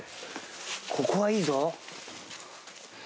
ここはいいぞ。